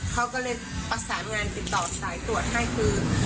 เขาก็เลยประสานงานติดต่อสายตรวจให้คือ